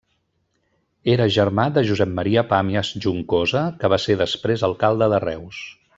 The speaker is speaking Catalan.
Era germà de Josep Maria Pàmies Juncosa, que va ser després alcalde de Reus.